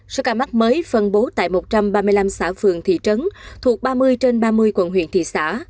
số ca mắc mới phân bố tại một trăm ba mươi năm xã phường thị trấn thuộc ba mươi trên ba mươi quận huyện thị xã